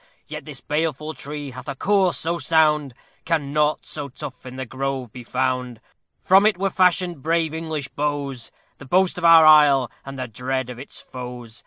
Yet this baleful tree hath a core so sound, Can nought so tough in the grove be found; From it were fashioned brave English bows, The boast of our isle, and the dread of its foes.